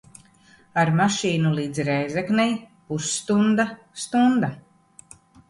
Ar mašīnu līdz Rēzeknei pusstunda, stunda.